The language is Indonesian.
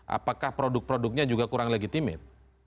apakah produk produknya juga kurang legitimit